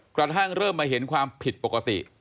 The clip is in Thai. กระทั่งเริ่มมาเห็นความผิดปกติ